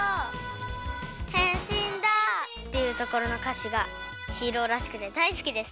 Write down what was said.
「変身だ」っていうところのかしがヒーローらしくてだいすきです。